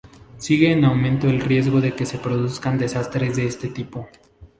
sigue en aumento el riesgo de que se produzcan desastres de este tipo